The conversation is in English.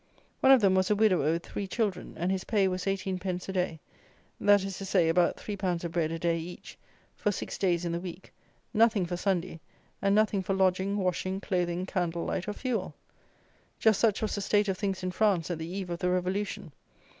One of them was a widower with three children; and his pay was eighteen pence a day; that is to say, about three pounds of bread a day each, for six days in the week; nothing for Sunday, and nothing for lodging, washing, clothing, candle light, or fuel! Just such was the state of things in France at the eve of the revolution!